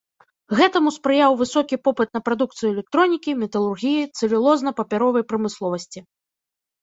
Гэтаму спрыяў высокі попыт на прадукцыю электронікі, металургіі, цэлюлозна-папяровай прамысловасці.